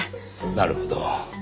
なるほど。